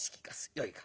よいか。